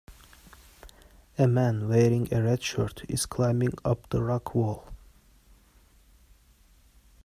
A man wearing a red shirt is climbing up the rock wall.